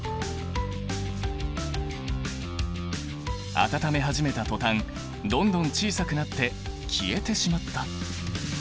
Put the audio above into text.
温め始めた途端どんどん小さくなって消えてしまった！